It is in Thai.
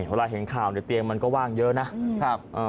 เวลาเห็นข่าวในเตียงมันก็ว่างเยอะนะครับ